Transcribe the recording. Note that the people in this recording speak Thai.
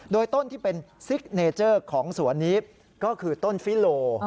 โดยต้นที่เป็นซิกเนเจอร์ของสวนนี้ก็คือต้นฟิโล